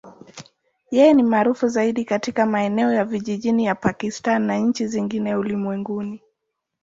Yeye ni maarufu zaidi katika maeneo ya vijijini ya Pakistan na nchi zingine ulimwenguni.